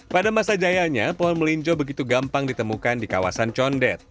pada masa jayanya pohon melinjo begitu gampang ditemukan di kawasan condet